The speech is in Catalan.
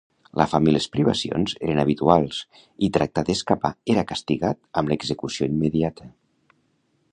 La fam i les privacions eren habituals i tractar d'escapar era castigat amb l'execució immediata.